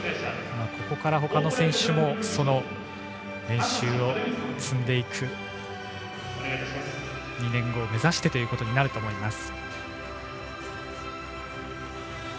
ここからほかの選手もその練習を積んでいく２年後を目指してということになると思います。